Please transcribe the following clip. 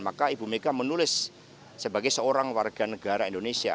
maka ibu mega menulis sebagai seorang warga negara indonesia